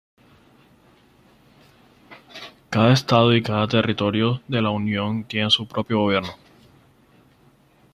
Cada Estado y cada Territorios de la Unión tienen su propio gobierno.